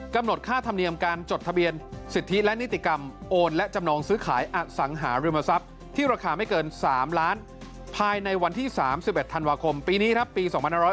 ค่าธรรมเนียมการจดทะเบียนสิทธิและนิติกรรมโอนและจำนองซื้อขายอสังหาริมทรัพย์ที่ราคาไม่เกิน๓ล้านภายในวันที่๓๑ธันวาคมปีนี้ครับปี๒๕๖๐